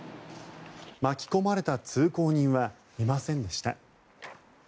巻き込まれた通行人はいませんでした。